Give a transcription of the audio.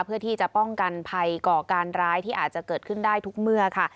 เพื่อที่จะป้องกันภัยก่อการร้ายที่อาจจะเกิดขึ้นได้ทุกเมื่อค่ะ